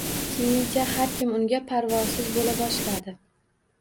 Keyincha har kim unga parvosiz bo`la boshladi